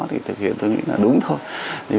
thì thực hiện tôi nghĩ là đúng thôi